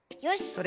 よし！